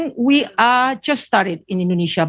kami baru saja dimulai di indonesia